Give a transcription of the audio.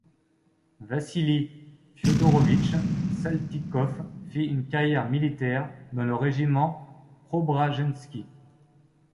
Vassili Fiodorovitch Saltykov fit une carrière militaire dans le régiment Preobrajensky.